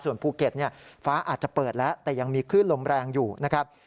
ส่วนภูเก็ตฟ้าอาจจะเปิดแล้วแต่ยังมีคลื่นลมแรงอยู่นะครับ